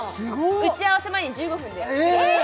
打ち合わせ前に１５分でええっ！